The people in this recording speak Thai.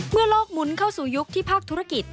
โลกหมุนเข้าสู่ยุคที่ภาคธุรกิจ